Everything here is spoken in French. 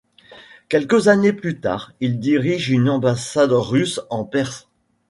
Quelques années plus tard, il dirige une ambassade Russe en Perse.